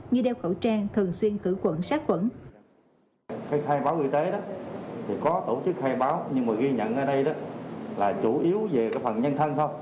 như đeo khẩu trang thường xuyên cử quẩn sát quẩn